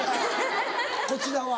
こちらは？